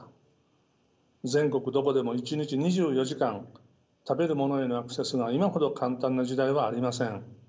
全国どこでも一日２４時間食べるものへのアクセスが今ほど簡単な時代はありません。